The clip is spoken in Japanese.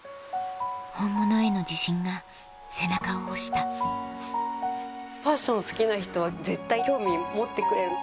本物への自信が背中を押したファッション好きな人は絶対興味持ってくれる。